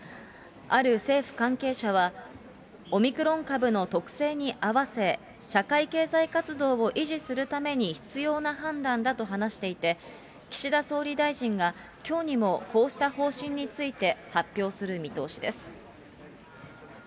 ある政府関係者は、オミクロン株の特性に合わせ、社会経済活動を維持するために必要な判断だと話していて、岸田総理大臣がきょうにもこうした方針について発表する見通しです。